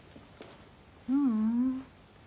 ううん。